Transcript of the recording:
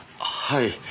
はい。